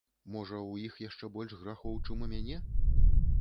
Можа, у іх яшчэ больш грахоў, чым у мяне?